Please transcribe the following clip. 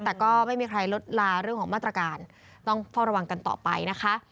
แต่ก็ไม่มีใครลดลาเรื่องของมาตรการต้องเฝ้าระวังกันต่อไปนะคะ